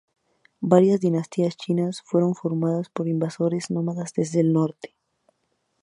Varias dinastías chinas fueron formadas por invasores nómadas desde el norte...